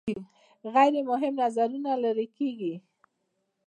غیر مهم نظرونه لرې کیږي.